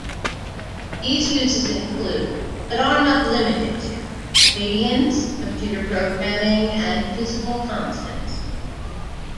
These uses include but are not limited to radians, computer programming, and physical constants.